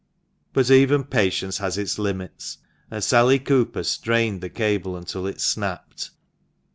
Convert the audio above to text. But even patience has its limits, and Sally Cooper strained the cable until it snapped.